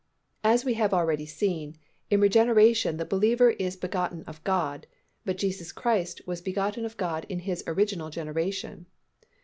As we have already seen, in regeneration the believer is begotten of God, but Jesus Christ was begotten of God in His original generation.